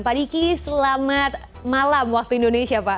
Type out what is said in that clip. pak diki selamat malam waktu indonesia pak